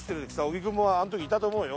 木くんもあん時いたと思うよ？